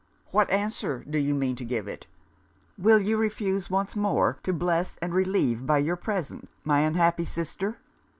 'What answer do you mean to give it? Will you refuse once more to bless and relieve, by your presence, my unhappy sister?'